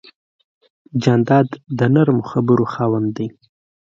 جانداد د نرمو خبرو خاوند دی.